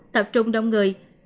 tập trung đông người